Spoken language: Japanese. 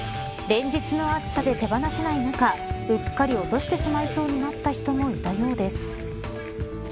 連日の暑さで手放せない中うっかり落としてしまいそうになった人もいたそうです。